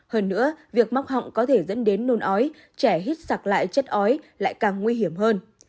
hơn nữa việc móc họng có thể dẫn đến nôn ói trẻ hít sạc lại chất ói lại càng nguy hiểm hơn